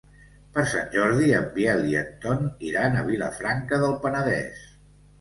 Per Sant Jordi en Biel i en Ton iran a Vilafranca del Penedès.